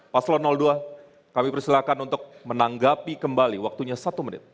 paslon dua kami persilakan untuk menanggapi kembali waktunya satu menit